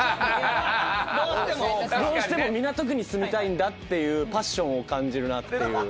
どうしても港区に住みたいんだっていうパッションを感じるなっていう。